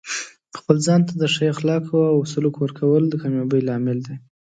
د خپل ځان ته د ښه اخلاقو او سلوک ورکول د کامیابۍ لامل دی.